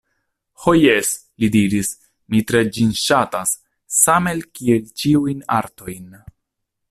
Ho jes, li diris, mi tre ĝin ŝatas, same kiel ĉiujn artojn.